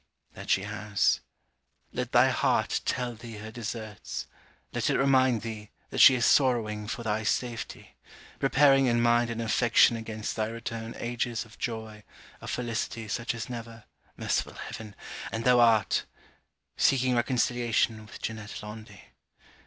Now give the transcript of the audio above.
That she has Let thy heart tell thee her deserts let it remind thee, that she is sorrowing for thy safety preparing in mind and affection against thy return ages of joy, of felicity, such as never merciful heaven! And thou art seeking reconciliation with Janetta Laundy.